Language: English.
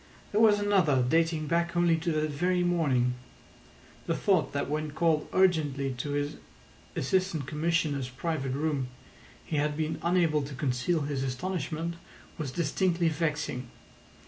There was another dating back only to that very morning. The thought that when called urgently to his Assistant Commissioner's private room he had been unable to conceal his astonishment was distinctly vexing.